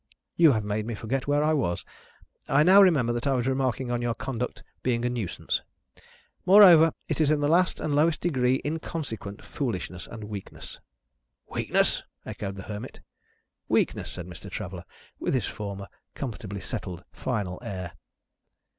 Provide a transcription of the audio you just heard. You have made me forget where I was. I now remember that I was remarking on your conduct being a Nuisance. Moreover, it is in the last and lowest degree inconsequent foolishness and weakness." "Weakness?" echoed the Hermit. "Weakness," said Mr. Traveller, with his former comfortably settled final air.